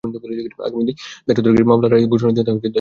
আগামী ধার্য তারিখে মামলার রায় ঘোষণার দিন ধার্য করতে পারেন আদালত।